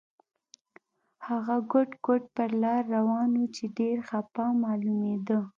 هغه ګوډ ګوډ پر لار روان و چې ډېر خپه معلومېده.